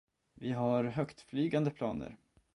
Vi har högtflygande planer.